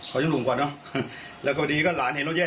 เขายังลุมกว่าเนอะแล้วก็ดีก็หลานเห็นว่าแย่